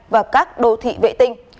và các đô thị vệ tinh